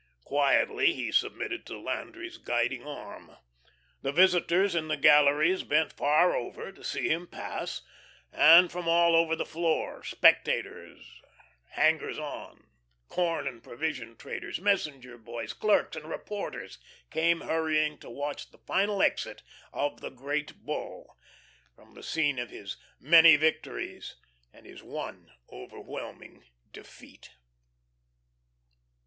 Quietly he submitted to Landry's guiding arm. The visitors in the galleries bent far over to see him pass, and from all over the floor, spectators, hangers on, corn and provision traders, messenger boys, clerks and reporters came hurrying to watch the final exit of the Great Bull, from the scene of his many victories and his one overwhelming defeat.